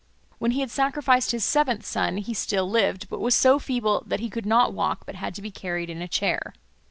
When he had sacrificed his seventh son, he still lived, but was so feeble that he could not walk but had to be carried in a chair.